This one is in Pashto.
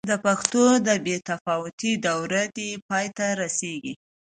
د پښتو د بې تفاوتۍ دوره دې پای ته رسېږي.